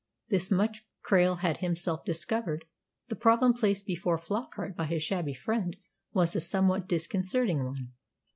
This much Krail had himself discovered. The problem placed before Flockart by his shabby friend was a somewhat disconcerting one.